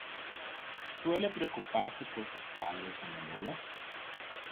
Suele preocuparse por sus padres a menudo.